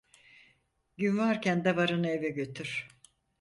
Gün varken davarını eve götür.